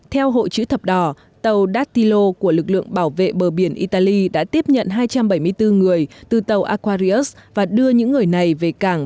theo hội chữ thập đỏ tàu dattilo của lực lượng bảo vệ bờ biển italy đã tiếp nhận hai trăm bảy mươi bốn người từ tàu aquarius và đưa những người này về cảng